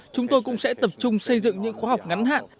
chúng tôi cũng sẽ tập trung xây dựng những khóa học ngắn hạn